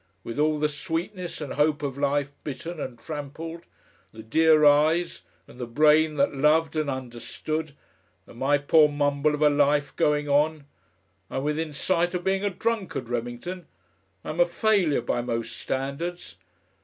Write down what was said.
with all the sweetness and hope of life bitten and trampled, the dear eyes and the brain that loved and understood and my poor mumble of a life going on! I'm within sight of being a drunkard, Remington! I'm a failure by most standards!